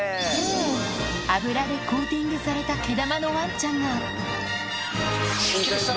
脂でコーティングされた毛玉のワンちゃんがすっきりした！